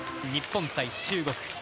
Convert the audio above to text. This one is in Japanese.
日本対中国。